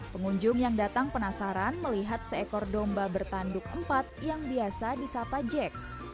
pengunjung yang datang penasaran melihat seekor domba bertanduk empat yang biasa disapa jack